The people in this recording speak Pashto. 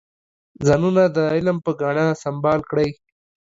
ځانونه د علم په ګاڼه سنبال کړئ.